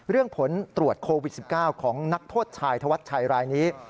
ผลตรวจโควิด๑๙ของนักโทษชายธวัชชัยรายนี้